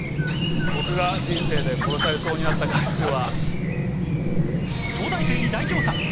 僕が人生で殺されそうになった回数は。